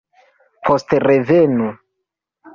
Poste revenu.